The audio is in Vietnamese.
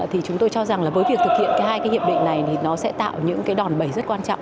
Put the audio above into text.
thì chúng tôi cho rằng là với việc thực hiện hai cái hiệp định này thì nó sẽ tạo những cái đòn bẩy rất quan trọng